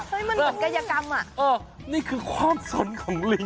เฮ้ยมันเหมือนกายกรรมนี่คือความสนของลิง